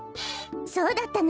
そうだったのね。